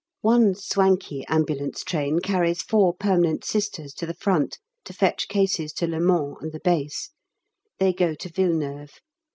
One swanky Ambulance Train carries four permanent Sisters to the front to fetch cases to Le Mans and the Base. They go to Villeneuve.